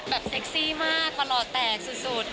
แบบเซ็กซี่มากมันหล่อแตกสุด